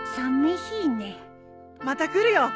また来るよ！